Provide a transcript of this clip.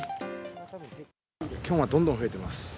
キョンはどんどん増えてます。